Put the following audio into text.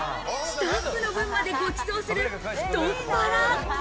スタッフの分までごちそうする太っ腹。